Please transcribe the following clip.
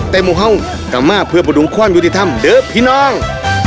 แต่มูฮ่าวกรรมมาอเพื่อประดูกความยูติธรรมเดอร์พี่น้อง